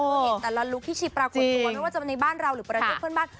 เห็นแต่ละลุคที่ชีปรากฏตัวไม่ว่าจะเป็นในบ้านเราหรือประเทศเพื่อนบ้าน